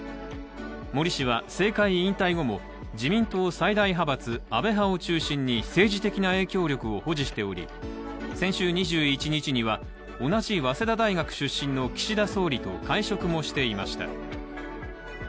森氏は政界引退後も自民党最大派閥・安倍派を中心に政治的な影響力を保持しており先週２１日には、同じ早稲田大学出身の岸田総理と会食もしていました。